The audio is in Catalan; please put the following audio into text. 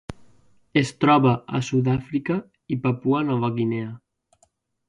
Es troba a Sud-àfrica i Papua Nova Guinea.